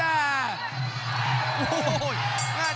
โอ้โหโห